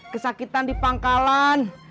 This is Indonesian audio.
kesakitan di pangkalan